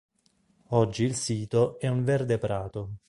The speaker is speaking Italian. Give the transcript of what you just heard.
Oggi il sito è un verde prato.